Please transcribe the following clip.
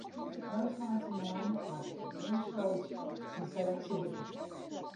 No sneintemoarn makket de bûnscoach syn seleksje bekend.